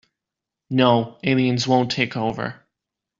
No, Aliens won't take over.